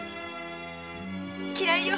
嫌いよ！